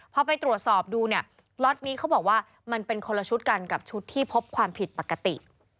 พอไปตรวจสอบดูเนี่ยล็อตนี้เขาบอกว่ามันเป็นคนละชุดกันกับชุดที่พบความผิดปกติ